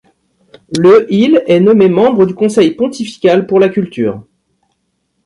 Le il est nommé membre du conseil pontifical pour la culture.